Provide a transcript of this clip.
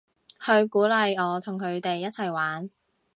佢鼓勵我同佢哋一齊玩